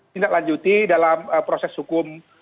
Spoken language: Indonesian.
tindak lanjuti dalam proses hukum